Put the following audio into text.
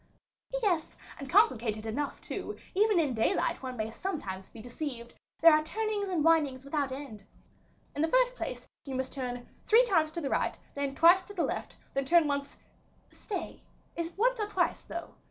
"Yes, and complicated enough too; even in daylight one may sometimes be deceived, there are turnings and windings without end: in the first place, you must turn three times to the right, then twice to the left, then turn once stay, is it once or twice, though?